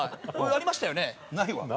ありましたよね？